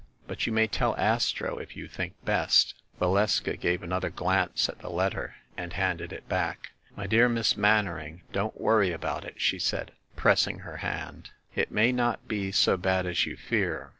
But you may tell Astro, if you think best." Valeska gave another glance at the letter and handed it back. "My dear Miss Mannering, don't worry about it," she said, pressing her hand. "It may not be so bad as you fear.